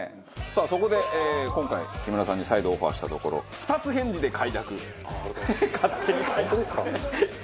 さあそこで今回木村さんに再度オファーしたところ二つ返事で快諾。